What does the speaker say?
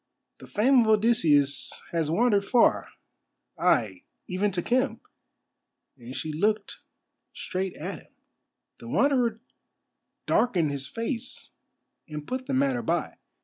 The fame of Odysseus has wandered far—ay, even to Khem." And she looked straight at him. The Wanderer darkened his face and put the matter by.